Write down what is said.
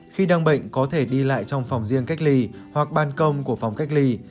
khi đang bệnh có thể đi lại trong phòng riêng cách ly hoặc ban công của phòng cách ly